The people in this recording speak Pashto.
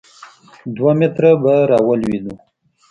دوه متره به راولوېدو.